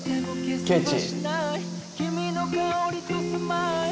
ケチ！